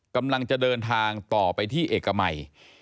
กำลังจะเดินทางต่อไปที่เอกมัย